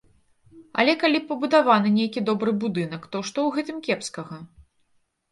Але калі пабудаваны нейкі добры будынак, то што ў гэтым кепскага?